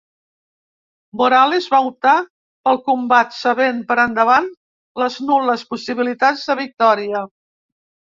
Morales va optar pel combat sabent per endavant les nul·les possibilitats de victòria.